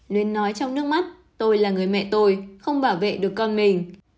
nên nói trong nước mắt tôi là người mẹ tôi không bảo vệ được con mình